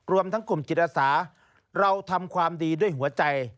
รวมทั้งกลุ่มจิตอาสาเราทำความดีด้วยหัวใจ